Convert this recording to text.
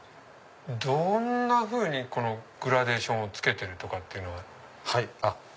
どんなふうにグラデーションをつけてるとかっていうのは。